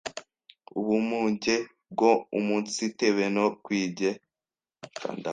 ubumuge bwo umunsitebone kwige